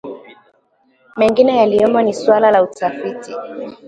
Mengine yaliyomo ni suala la utafiti